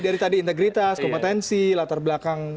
dari tadi integritas kompetensi latar belakang